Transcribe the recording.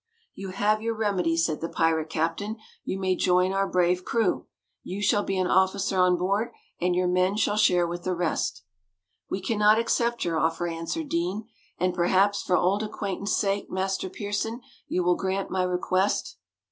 "You have your remedy," said the pirate captain. "You may join our brave crew. You shall be an officer on board, and your men shall share with the rest." "We cannot accept your offer," answered Deane; "and perhaps for old acquaintance' sake, Master Pearson, you will grant my request?"